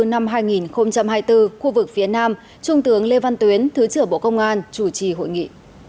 năm hai nghìn hai mươi bốn khu vực phía nam trung tướng lê văn tuyến thứ trưởng bộ công an chủ trì hội nghị